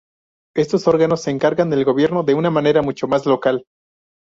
Estos órganos se encargan del gobierno de una manera mucho más local.